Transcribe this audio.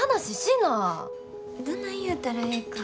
どない言うたらええか。